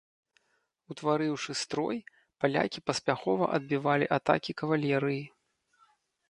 Утварыўшы строй, палякі паспяхова адбівалі атакі кавалерыі.